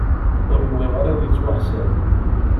Ur nwiɣ ara yettwaḥsab.